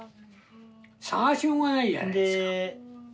捜しようがないじゃないですか。